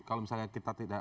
kalau misalnya kita tidak